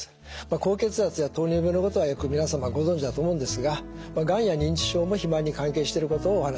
高血圧や糖尿病のことはよく皆様ご存じだと思うんですががんや認知症も肥満に関係していることをお話しいたします。